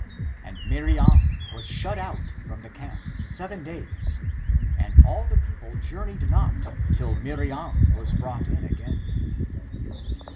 And Miriam was shut out from the camp seven days, and all the people journeyed not till Miriam was brought in again."